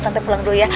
tante pulang dulu ya